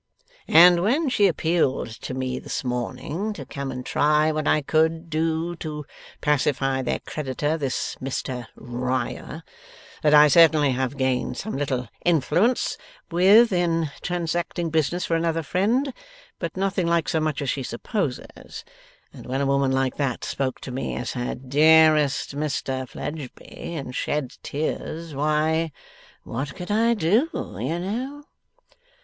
'And when she appealed to me this morning, to come and try what I could do to pacify their creditor, this Mr Riah that I certainly have gained some little influence with in transacting business for another friend, but nothing like so much as she supposes and when a woman like that spoke to me as her dearest Mr Fledgeby, and shed tears why what could I do, you know?